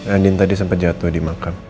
andin tadi sempat jatuh di makam